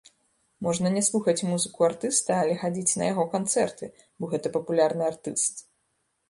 Можна не слухаць музыку артыста, але хадзіць на яго канцэрты, бо гэта папулярны артыст.